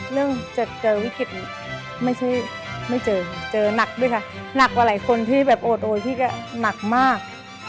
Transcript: เรื่องเจอเวลาวิกฤติไม่ใช่ไม่เจอเจอหนักด้วยค่ะหนักว่าหลายคนที่แบบโอโดยที่จะหนักมาก